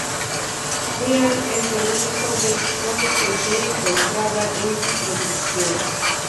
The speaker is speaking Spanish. Brian es el único Beach Boy que se encontraba en su producción.